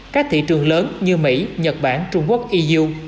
các thị trường lớn như mỹ nhật bản trung quốc iuu